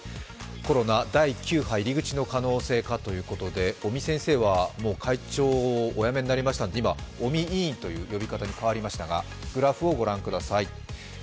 コロナ第９波入り口の可能性かということで尾身先生はもう会長をお辞めになりましたので、今、尾身委員という呼び方に変わりましたがグラフをご覧ください。